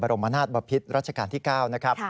รมนาศบพิษรัชกาลที่๙นะครับ